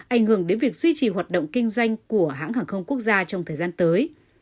ảnh hưởng đến việc duy trì hoạt động kinh doanh của hãng hàng không quốc gia trong thời gian tới